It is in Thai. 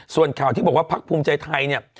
ส่วนข่าวที่บอกว่าพักภูมิใจไทยเนี่ย